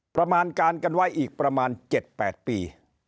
ประมาณการกันไว้อีกประมาณ๗๘ปี